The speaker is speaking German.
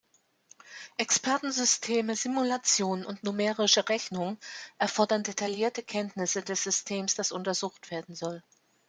Expertensysteme, Simulationen und numerische Rechnungen erfordern detaillierte Kenntnisse des Systems, das untersucht werden soll.